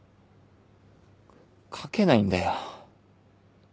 書けないんだよ。